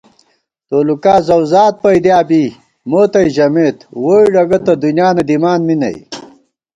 تولُکا زَؤزات پَئیدِیا بی مو تئ ژَمېت ووئی ڈگہ تہ دُنیا نہ دِمان می نئ